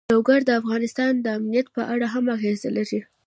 لوگر د افغانستان د امنیت په اړه هم اغېز لري.